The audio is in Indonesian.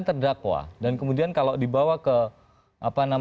tahan dulu pak